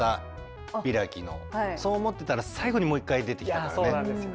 そう思ってたら最後にもう一回出てきたからね。